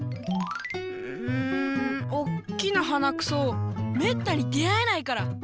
うんおっきなはなくそめったに出会えないから！